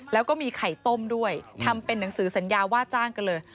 แล้วก็มีไข่ต้มด้วยทำเป็นหนังสือสัญญาว่าจ้างกันเลย